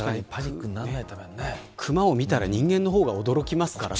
クマを見たら人間の方が驚きますからね。